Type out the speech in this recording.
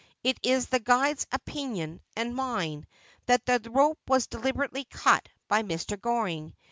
It is the guide's opinion, and mine, that the rope was deliberately cut by Mr. Goring.